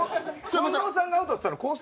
近藤さんがアウトって言ったの？コース